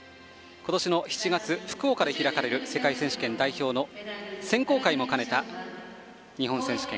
今年の７月福岡で開かれる世界選手権の選考会も兼ねた日本選手権。